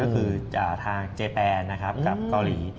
ก็คือทางเจแปนกับเกาหลี